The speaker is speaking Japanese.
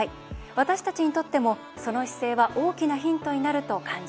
私たちにとっても、その姿勢は大きなヒントになると感じます。